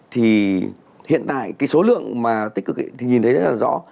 thì hiện tại cái số lượng mà tích cực ấy thì nhìn thấy rất là rõ